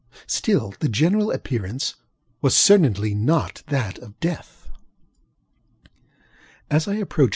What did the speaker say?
Still, the general appearance was certainly not that of death. As I approached M.